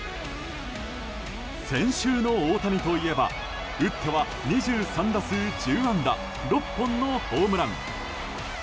先週の大谷といえば打っては２３打数１０安打６本のホームラン。